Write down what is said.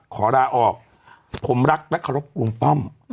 ขอร้าออกผมรักและขอรักหลวงป้อม